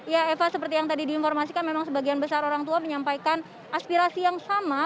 ya eva seperti yang tadi diinformasikan memang sebagian besar orang tua menyampaikan aspirasi yang sama